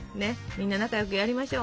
みんな仲良くやりましょう。